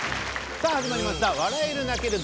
さあ始まりました